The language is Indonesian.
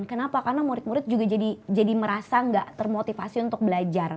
kenapa karena murid murid juga jadi merasa nggak termotivasi untuk belajar